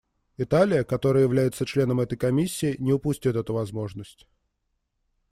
Италия, которая является членом этой Комиссии, не упустит эту возможность.